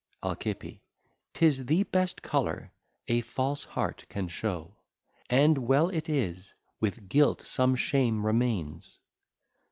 Alci. 'Tis the best Colour a False Heart can show; And well it is with Guilt some shame remains.